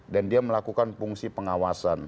dan dia melakukan fungsi pengawasan